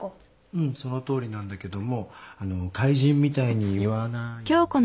うんそのとおりなんだけどもあの怪人みたいに言わないで。